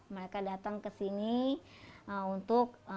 mereka datang ke sini untuk